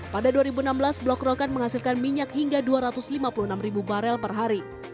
pada dua ribu enam belas blok rokan menghasilkan minyak hingga dua ratus lima puluh enam ribu barel per hari